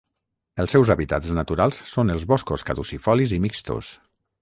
Els seus hàbitats naturals són els boscos caducifolis i mixtos.